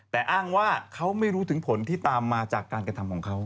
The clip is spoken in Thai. แต่อ้างว่าเขาไม่รู้ถึงผลที่ตามมาจากการกระทำของเขา